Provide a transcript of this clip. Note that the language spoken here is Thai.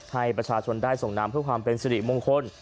ให้ประชาชนได้ส่งน้ำเพื่อความเป็นสิริมงคล